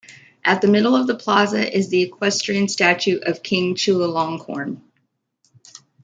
At the middle of the plaza is the equestrian statue of King Chulalongkorn.